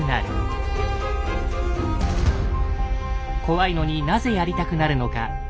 怖いのになぜやりたくなるのか。